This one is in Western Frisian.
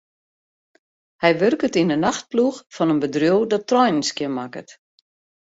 Hy wurket yn 'e nachtploech fan in bedriuw dat treinen skjinmakket.